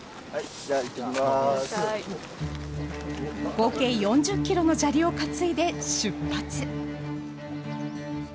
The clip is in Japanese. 合計４０キロの砂利を担いで出発。